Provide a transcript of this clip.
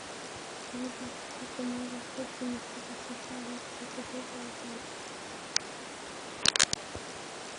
ঘরের তাপমাত্রা কমিয়ে রাখলে সুনিদ্রার পাশাপাশি আরও কিছু সুফল পাওয়া যায়।